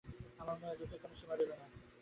আমার দুঃখের কোনো সীমা রইল না।